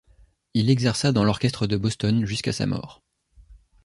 Il exerça dans l'orchestre de Boston jusqu'à sa mort.